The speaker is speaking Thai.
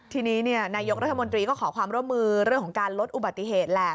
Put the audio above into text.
ทีนี้นายกรัฐมนตรีก็ขอความร่วมมือเรื่องของการลดอุบัติเหตุแหละ